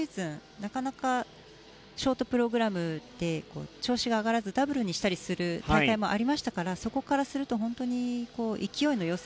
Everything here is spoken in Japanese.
なかなかショートプログラムで調子が上がらずダブルにしたりすることもありましたからそこからすると、勢いの良さ。